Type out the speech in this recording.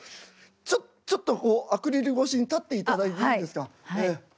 ちょちょっとこうアクリル越しに立っていただいていいですか。